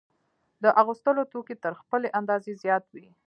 د اغوستلو توکي تر خپلې اندازې زیات وي